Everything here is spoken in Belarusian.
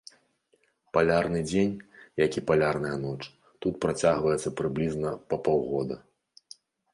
Палярны дзень, як і палярная ноч, тут працягваецца прыблізна па паўгода.